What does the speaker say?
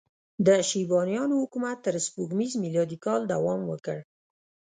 د شیبانیانو حکومت تر سپوږمیز میلادي کاله دوام وکړ.